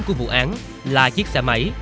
của vụ án là chiếc xe máy